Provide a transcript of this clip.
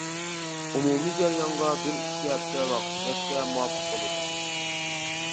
ئومۇمىي جەريانغا بىر ئىككى ھەپتە ۋاقىت كەتسە مۇۋاپىق بولىدۇ.